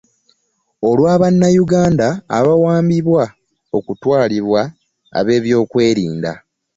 Olwa Bannayuganda abagambibwa okutwalibwa ab'ebyokwerinda